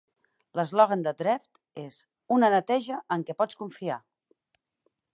L'eslògan de Dreft és "Una neteja en què pots confiar".